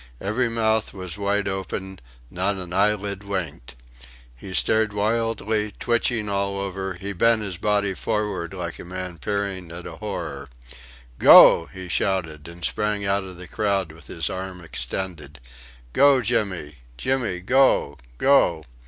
Every mouth was wide open, not an eyelid winked. He stared wildly, twitching all over; he bent his body forward like a man peering at an horror. "Go!" he shouted, and sprang out of the crowd with his arm extended. "Go, Jimmy! Jimmy, go! Go!"